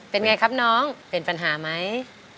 เป็นไงครับน้องเป็นปัญหาไหม